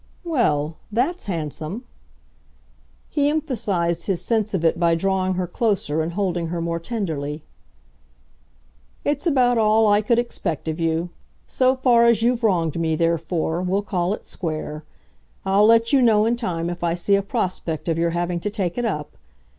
"Well, that's handsome." He emphasised his sense of it by drawing her closer and holding her more tenderly. "It's about all I could expect of you. So far as you've wronged me, therefore, we'll call it square. I'll let you know in time if I see a prospect of your having to take it up.